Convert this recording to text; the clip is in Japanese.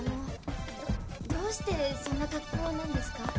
どうしてそんなかっこうなんですか？